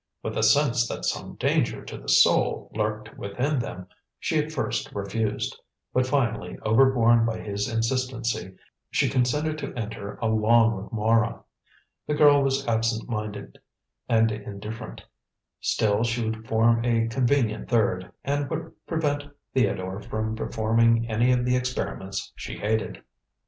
With a sense that some danger to the soul lurked within them, she at first refused, but finally, over borne by his insistency, she consented to enter along with Mara. The girl was absentminded and indifferent; still she would form a convenient third, and would prevent Theodore from performing any of the experiments she hated.